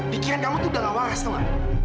pikiran kamu tuh udah gak waras tomat